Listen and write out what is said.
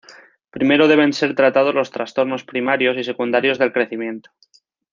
Primero deben ser tratados los trastornos primarios y secundarios del crecimiento.